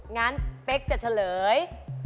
งั้นเป๊กจะเฉลย